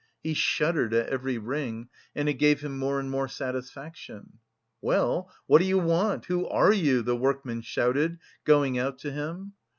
He shuddered at every ring and it gave him more and more satisfaction. "Well, what do you want? Who are you?" the workman shouted, going out to him.